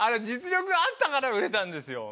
実力あったから売れたんです。